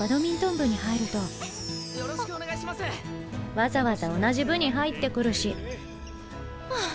わざわざ同じ部に入ってくるしハァ。